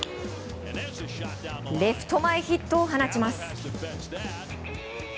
レフト前ヒットを放ちます。